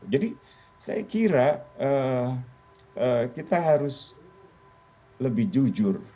jadi saya kira kita harus lebih jujur